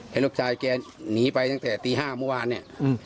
เห็นลูกชายแกหนีไปตั้งแต่ตีห้าเมื่อวานเนี่ยอืม